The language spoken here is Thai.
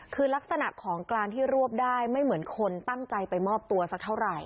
คือลักษณะของกลางที่รวบได้ไม่เหมือนคนตั้งใจไปมอบตัวสักเท่าไหร่